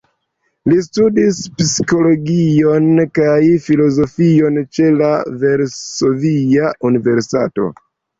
Li studis psikologion kaj filozofion ĉe la Varsovia Universitato.